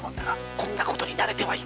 こんなことに慣れてはいけません。